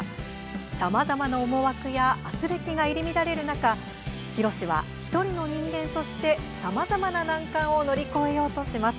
さまざまな思惑やあつれきが入り乱れる中ヒロシは、１人の人間としてさまざまな難関を乗り越えようとします。